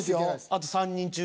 あと３人中？